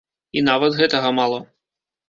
І нават гэтага мала.